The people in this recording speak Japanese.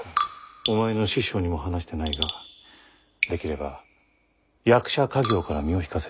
お前の師匠にも話してないができれば役者稼業から身を引かせたい。